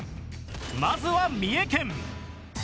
まずは三重県。